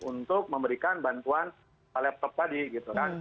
untuk memberikan bantuan laptop tadi